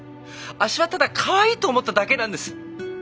あっしはただかわいいと思っただけなんです。